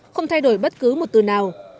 không thay đổi bất cứ một từ nào